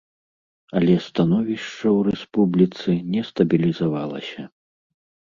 Але становішча ў рэспубліцы не стабілізавалася.